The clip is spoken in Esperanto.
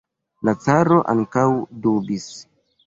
La caro ankaŭ dubis.